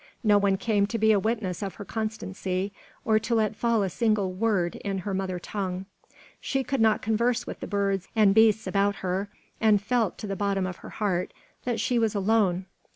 No one came to be a witness of her constancy, or to let fall a single word in her mother tongue. She could not converse with the birds and beasts about her, and felt, to the bottom of her heart, that she was alone.